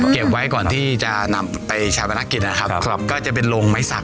เก็บไว้ก่อนที่จะนำไปชาปนักกิจนะครับครับก็จะเป็นโรงไม้สัก